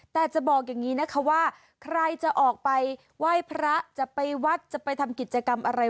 แต่จะบอกอย่างนี้นะคะว่าใครจะออกไปไหว้พระจะไปวัดจะไปทำกิจกรรมอะไร